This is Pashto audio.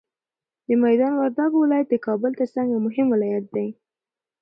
د میدان وردګو ولایت د کابل تر څنګ یو مهم ولایت دی.